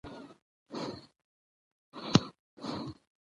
افغانستان د رسوب د ترویج لپاره پروګرامونه لري.